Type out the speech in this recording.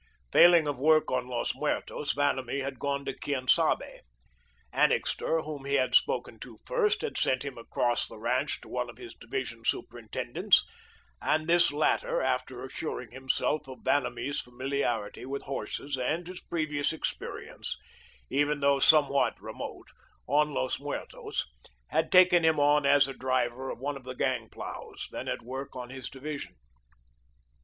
Failing of work on Los Muertos, Vanamee had gone to Quien Sabe. Annixter, whom he had spoken to first, had sent him across the ranch to one of his division superintendents, and this latter, after assuring himself of Vanamee's familiarity with horses and his previous experience even though somewhat remote on Los Muertos, had taken him on as a driver of one of the gang ploughs, then at work on his division.